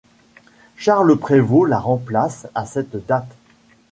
Charles Prévost la remplace à cette date.